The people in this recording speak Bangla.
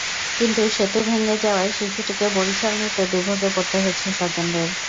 কিন্তু সেতু ভেঙে যাওয়ায় শিশুটিকে বরিশাল নিতে দুর্ভোগে পড়তে হয়েছে স্বজনদের।